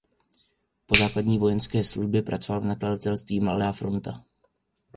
Po základní vojenské službě pracoval v nakladatelství Mladá fronta.